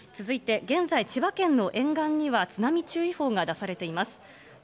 続いて現在千葉県の沿岸には、津波注意報が出されています。